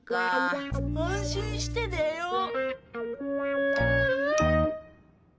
安心して寝よう。